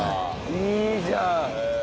いいじゃん。